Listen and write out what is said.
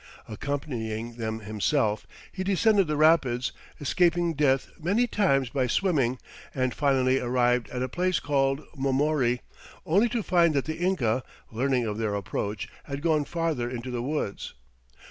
Accompanying them himself, he descended the rapids, escaping death many times by swimming, and finally arrived at a place called Momori, only to find that the Inca, learning of their approach, had gone farther into the woods.